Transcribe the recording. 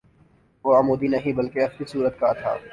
وہ عمودی نہیں بلکہ افقی صورت کا تھا